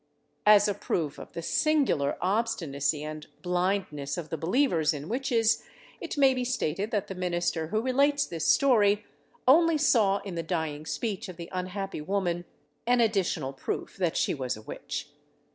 '" As a proof of the singular obstinacy and blindness of the believers in witches, it may be stated that the minister who relates this story only saw in the dying speech of the unhappy woman an additional proof that she was a witch.